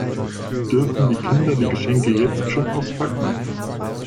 Dürfen die Kinder die Geschenke jetzt schon auspacken?